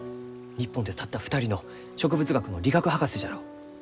日本でたった２人の植物学の理学博士じゃろう！